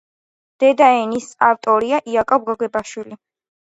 დედაენის ავტორია იაკობ გოგებაშვილი